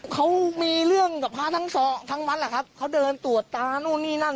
เขามีเรื่องกับพระทั้งสองทั้งวัดแหละครับเขาเดินตรวจตานู่นนี่นั่น